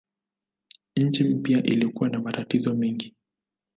Nchi mpya ilikuwa na matatizo mengi.